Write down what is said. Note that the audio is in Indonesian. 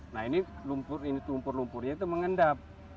nah ini lumpur lumpurnya itu mengendap